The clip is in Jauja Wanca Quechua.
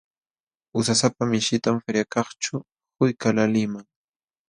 Usasapa mishitam feriakaqćhu quykaqlaaliman.